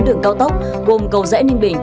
đường cao tốc gồm cầu rẽ ninh bình